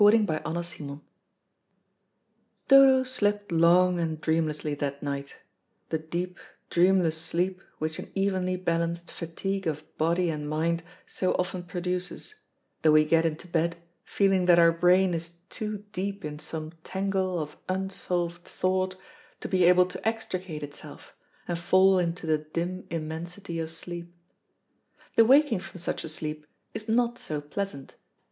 CHAPTER NINETEEN Dodo slept long and dreamlessly that night; the deep, dreamless sleep which an evenly balanced fatigue of body and mind so often produces, though we get into bed feeling that our brain is too deep in some tangle of unsolved thought to be able to extricate itself, and fall into the dim immensity of sleep. The waking from such a sleep is not so pleasant.